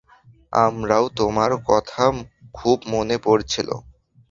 আমারও তোমার কথা খুব মনে পড়ছিল।